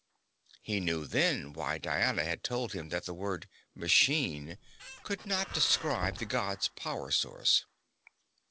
He knew then why Diana had told him that the word "machine" could not describe the Gods' power source.